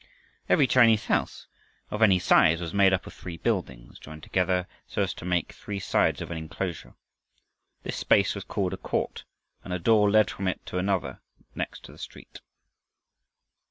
Every Chinese house of any size was made up of three buildings joined together so as to make three sides of an enclosure. This space was called a court, and a door led from it to another next the street.